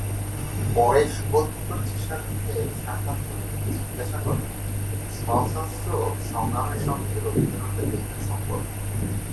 পরে সুবোধ মুখার্জীর সাথে সাক্ষাৎ হলে জিজ্ঞাসা করেন সশস্ত্র সংগ্রামের সঙ্গে রবীন্দ্রনাথের লেখার সম্পর্ক।